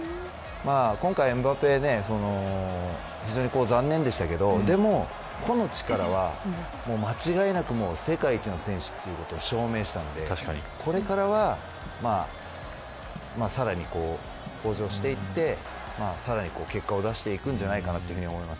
今回、エムバペ非常に残念でしたけどでも、個の力は間違いなく世界一の選手ということを証明したのでこれからはさらに向上していってさらに結果を出していくんじゃないかなと思います。